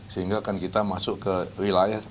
sehingga kan kita masuk ke wilayah